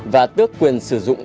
và tước quyền sử dụng